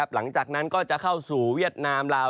หลังจากนั้นก็จะเข้าสู่เวียดนามลาว